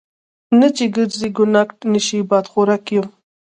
نه چې ګرزي ګونګټ نشي بادخورک یم.